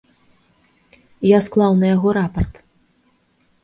Я склаў на яго рапарт.